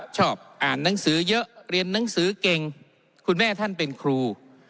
ชอบอ่านหนังสือเยอะเรียนหนังสือเก่งคุณแม่ท่านเป็นครู